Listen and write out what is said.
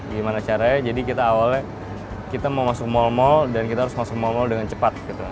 gimana caranya jadi kita awalnya kita mau masuk mall mall dan kita harus masuk mall mall dengan cepat gitu